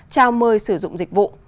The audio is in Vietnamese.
trao mời sử dụng dịch vụ